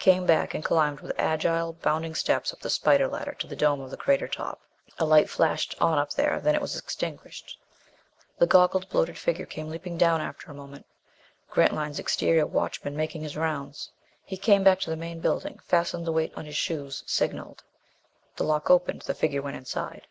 Came back, and climbed with agile, bounding leaps up the spider ladder to the dome of the crater top. A light flashed on up there. Then it was extinguished. The goggled, bloated figure came leaping down after a moment. Grantline's exterior watchman making his rounds. He came back to the main building. Fastened the weights on his shoes. Signaled. The lock opened. The figure went inside.